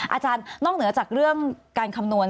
อาจารย์นอกเหนือจากเรื่องการคำนวณ